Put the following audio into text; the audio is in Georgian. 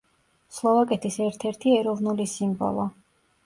სლოვაკეთის ერთ-ერთი ეროვნული სიმბოლო.